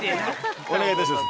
お願いいたします。